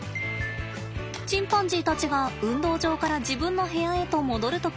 チンパンジーたちが運動場から自分の部屋へと戻る時。